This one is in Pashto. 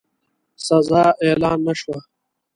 سزا اعلان نه شوه.